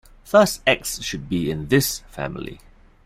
Thus "X" should be in this family.